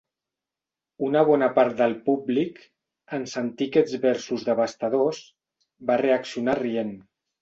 Una bona part del públic, en sentir aquests versos devastadors, va reaccionar rient.